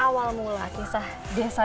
awal mula kisah